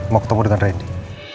mau ketemu dengan randy